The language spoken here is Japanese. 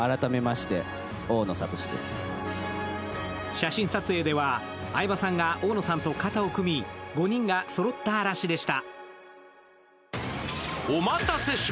写真撮影では相葉さんが大野さんと肩を組み、５人がそろった嵐でした。